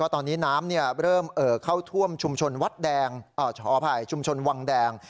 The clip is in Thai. ตอนนี้น้ำเริ่มเข้าท่วมชุมชนวังแดง